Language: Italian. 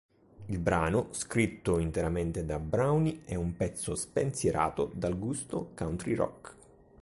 Il brano, scritto interamente da Browne, è un pezzo spensierato dal gusto country-rock.